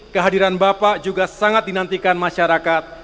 kehadiran bapak juga sangat dinantikan masyarakat